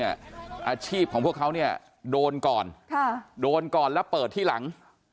อาชีพของพวกเขาโดนก่อนแล้วเปิดที่หลัง